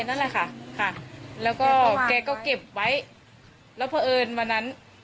นั่นแหละค่ะค่ะแล้วก็แกก็เก็บไว้แล้วเพราะเอิญวันนั้น